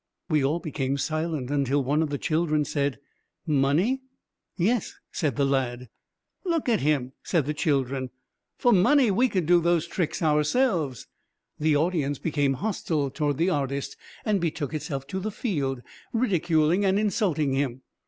We all became silent, until one of the children said: "Money?" "Yes," said the lad. "Look at him," said the children. "For money, we could do those tricks ourselves." The audience became hostile toward the artist, and betook itself to the field, ridiculing and insulting him.